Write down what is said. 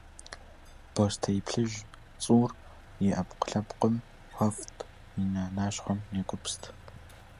Бостей плъыжь цӏуур и ӏэпкълъэпкъым хуэфӏт, и нэ нащхъуэм екӏупст.